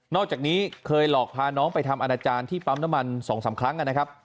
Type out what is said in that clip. อกจากนี้เคยหลอกพาน้องไปทำอนาจารย์ที่ปั๊มน้ำมัน๒๓ครั้งนะครับ